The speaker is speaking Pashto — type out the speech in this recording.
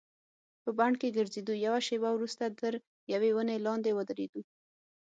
په بڼ کې ګرځېدو، یوه شیبه وروسته تر یوې ونې لاندې ودریدو.